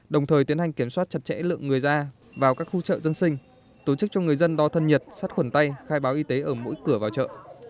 đồng thời tiến hành kiểm soát chặt chẽ lượng người ra vào các khu chợ dân sinh tổ chức cho người dân đo thân nhiệt sắt khuẩn tay khai báo y tế ở mỗi cửa vào chợ